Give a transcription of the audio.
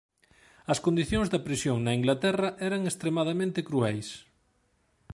As condicións da prisión na Inglaterra eran extremadamente crueis.